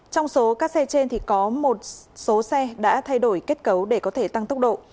trong số các xe trên thì có một số xe đã thay đổi kết cấu để có thể tăng tốc độ